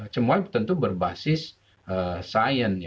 semua tentu berbasis sains